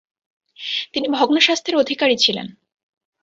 তিনি ভগ্নস্বাস্থ্যের অধিকারী ছিলেন।